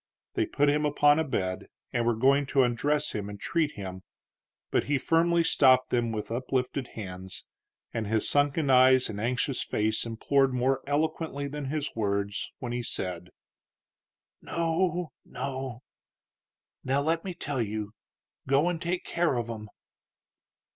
They put him upon a bed, and were going to undress him and treat him, but he firmly stopped them with uplifted hand, and his sunken eyes and anxious face implored more eloquently than his words, when he said: "No, no! Now, let me tell you: Go an' take care of 'em."